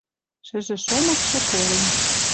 Шӹжӹ шомыкшы колен.